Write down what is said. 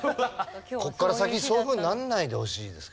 ここから先そういうふうにならないでほしいですけどね